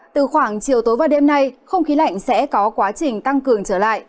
từ khoảng chiều tối và đêm nay không khí lạnh sẽ có quá trình tăng cường trở lại